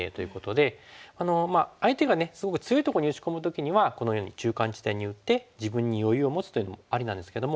相手がすごく強いとこに打ち込む時にはこのように中間地点に打って自分に余裕を持つというのもありなんですけども。